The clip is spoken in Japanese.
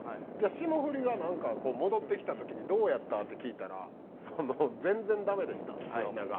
霜降りがなんか戻ってきた時に「どうやった？」って聞いたらその「全然ダメでした」って粗品が。